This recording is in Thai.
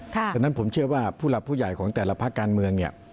เพราะฉะนั้นผมเชื่อว่าผู้หลักผู้ใหญ่ของแต่ละภาคการเมืองเนี่ย